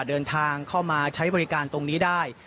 เดินทางเข้ามาใช้บริการตรงนี้ได้